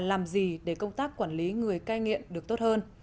làm gì để công tác quản lý người cai nghiện được tốt hơn